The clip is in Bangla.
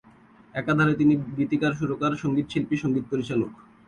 একাধারে তিনি গীতিকার, সুরকার, সঙ্গীত শিল্পী, সঙ্গীত পরিচালক।